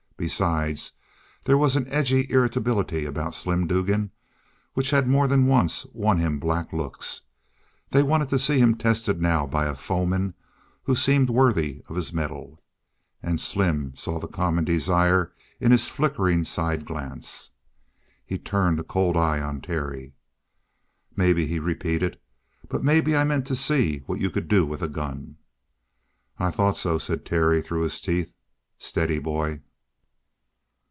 Besides, there was an edgy irritability about Slim Dugan which had more than once won him black looks. They wanted to see him tested now by a foeman who seemed worthy of his mettle. And Slim saw that common desire in his flickering side glance. He turned a cold eye on Terry. "Maybe," he repeated. "But maybe I meant to see what you could do with a gun." "I thought so," said Terry through his teeth. "Steady, boy!"